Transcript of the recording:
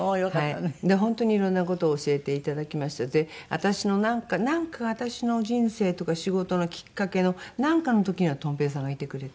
私のなんかなんか私の人生とか仕事のきっかけのなんかの時にはとん平さんがいてくれて。